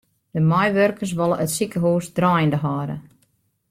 De meiwurkers wolle it sikehús draaiende hâlde.